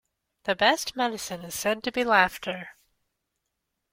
The best medicine is said to be laughter.